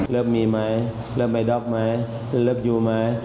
เริ่มมีเริ่บไมดอกแล้วเริ่มอยู่ไหม